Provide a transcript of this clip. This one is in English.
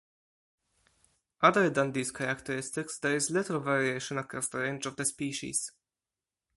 Other than these characteristics, there is little variation across the range of the species.